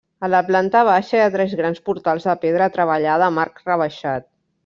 A la planta baixa hi ha tres grans portals de pedra treballada amb arc rebaixat.